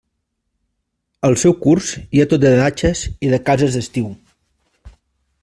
Al seu curs hi ha tot de datxes i de cases d'estiu.